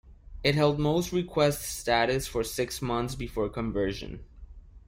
It held most requests status for six months before conversion.